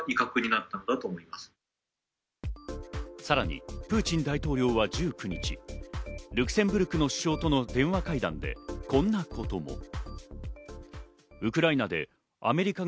さらにプーチン大統領は１９日、ルクセンブルクの首相との電話会談でこんなことも。